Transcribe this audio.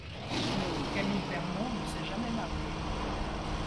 Camille Pernon ne s’est jamais marié.